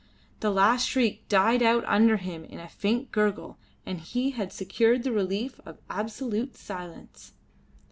The last shriek died out under him in a faint gurgle, and he had secured the relief of absolute silence.